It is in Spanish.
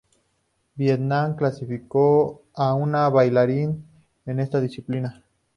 Vietnam clasificó a un bailarín en esta disciplina.